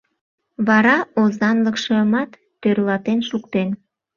Вара озанлыкшымат тӧрлатен шуктен.